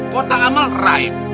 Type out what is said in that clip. kota amal raib